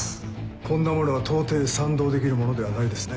こんなものは到底賛同できるものではないですね。